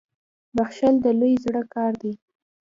• بخښل د لوی زړه کار دی.